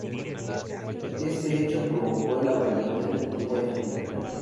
Este hecho provocó el abandono de la antigua ermita.